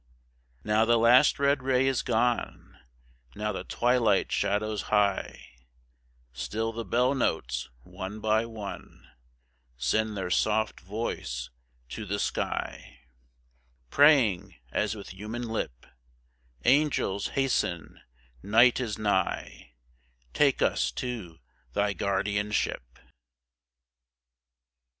Now the last red ray is gone; Now the twilight shadows hie; Still the bell notes, one by one, Send their soft voice to the sky, Praying, as with human lip, "Angels, hasten, night is nigh, Take us to thy guardianship."